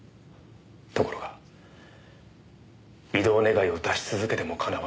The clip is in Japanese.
ところが異動願いを出し続けてもかなわない。